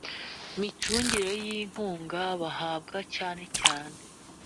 micungire y inkunga bahabwa cyane cyane